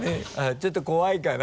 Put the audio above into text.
ちょっと怖いかな